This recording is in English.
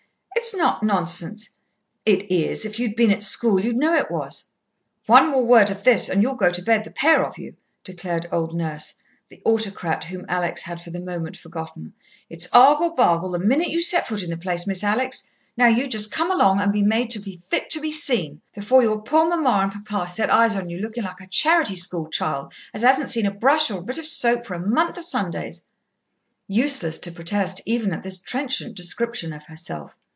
"It's not nonsense!" "It is. If you'd been at school you'd know it was." "One word more of this and you'll go to bed, the pair of you," declared old Nurse, the autocrat whom Alex had for the moment forgotten. "It's argle bargle the minute you set foot in the place, Miss Alex. Now you just come along and be made fit to be seen before your poor mamma and papa set eyes on you looking like a charity school child, as hasn't seen a brush or a bit of soap for a month of Sundays." Useless to protest even at this trenchant description of herself.